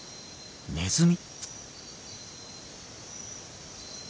ネズミ。